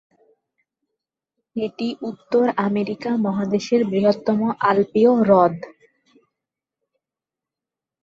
এটি উত্তর আমেরিকা মহাদেশের বৃহত্তম আল্পীয় হ্রদ।